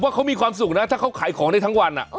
ผมว่าเค้ามีความสุขนะถ้าเค้าขายของได้ทั้งวัน